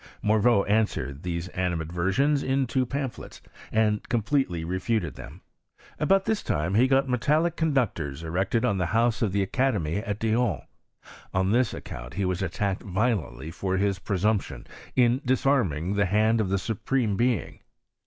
Morveau answered these animadversions in two pamphlets, and com pletely refuted them. About this time he got metallic conductors erected on the house of the Academy at Dijon, On this ac count he was attacked violently for hie pFCSiunptioii PR0GR£3ft 07 CHSXISTRT UT FRANCE.. IBl lA dkarming tke hand of the Suprane Being.